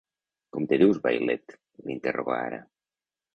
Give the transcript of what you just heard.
Com te dius, vailet? —l'interroga ara.